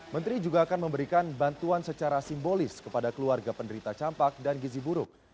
menteri juga akan memberikan bantuan secara simbolis kepada keluarga penderita campak dan gizi buruk